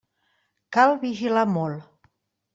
Cal vigilar molt.